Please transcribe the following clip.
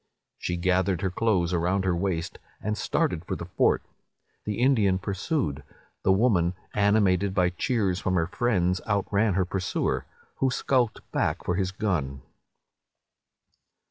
She gathered her clothes around her waist, and started for the fort. The Indian pursued: the woman, animated by cheers from her friends, out ran her pursuer, who skulked back for his gun.